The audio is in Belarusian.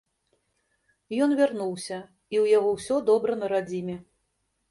Ён вярнуўся, і ў яго ўсё добра на радзіме.